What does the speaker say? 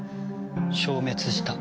消滅した。